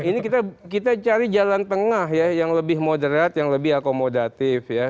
ini kita cari jalan tengah ya yang lebih moderat yang lebih akomodatif ya